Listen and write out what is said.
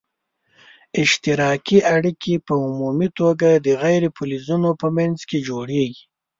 اشتراکي اړیکي په عمومي توګه د غیر فلزونو په منځ کې جوړیږي.